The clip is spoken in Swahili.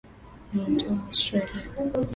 Ninatoka Australia.